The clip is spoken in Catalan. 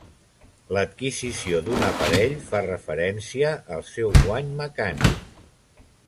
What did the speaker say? L'adquisició d'un aparell fa referència al seu guany mecànic.